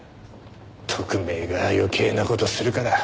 特命が余計な事するから。